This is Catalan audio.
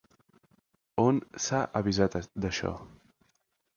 On s'ha avisat d'això?